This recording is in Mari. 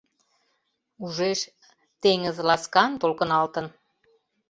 Ужеш — теҥыз ласкан толкыналтын.